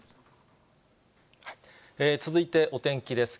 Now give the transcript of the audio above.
続いてお天気です。